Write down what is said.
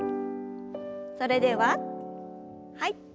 それでははい。